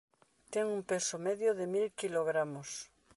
Ten un peso medio de mil quilogramos.